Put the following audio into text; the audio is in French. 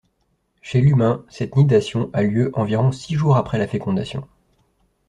Chez l'humain, cette nidation a lieu environ six jours après la fécondation.